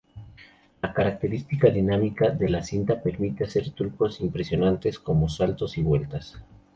La característica dinámica de la cinta permite hacer trucos impresionantes como saltos y vueltas.